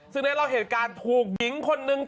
ซึ่งเนี่ยเราเห็นการถูกหญิงคนหนึ่ง